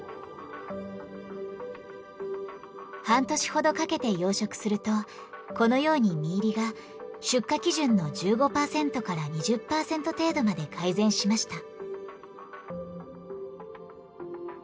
半年ほどかけて養殖するとこのように身入りが出荷基準の１５パーセントから２０パーセント程度まで改善しました。